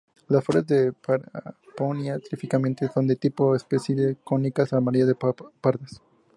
Las flores de "Peperomia" típicamente son de tipo espádice cónicas amarillas a pardas.